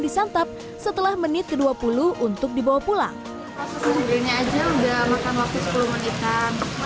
disantap setelah menit ke dua puluh untuk dibawa pulang jadinya aja udah makan waktu sepuluh menitan